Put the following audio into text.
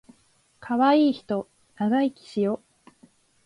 かわいいひと長生きしよ